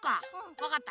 わかった。